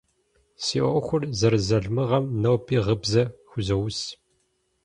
Си ӏуэхур зэрызалымыгъэм ноби гъыбзэ хузоус.